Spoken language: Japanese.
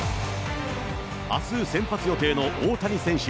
あす先発予定の大谷選手。